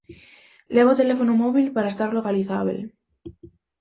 Leva o teléfono móbil para estar localizábel.